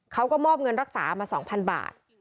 เขาก็มอบเงินรักษามา๒๐๐บาท